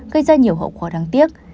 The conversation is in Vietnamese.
gây ra nhiều hậu quả đáng tiếc